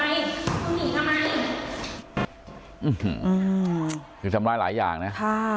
อื้อหึถึงตำร้ายหลายอย่างนะพ่อ